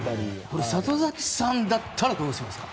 これ里崎さんだったらどうしますか。